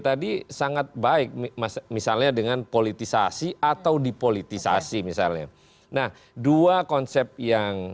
tadi sangat baik mas misalnya dengan politisasi atau dipolitisasi misalnya nah dua konsep yang